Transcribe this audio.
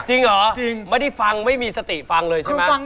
จริงเหรอไม่ได้ฟังไม่มีสติฟังเลยใช่ไหม